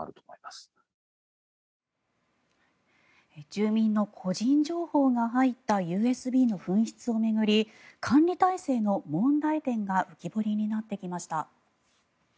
住民の個人情報が入ったＵＳＢの紛失を巡り管理体制の問題点が浮き彫りになってきました。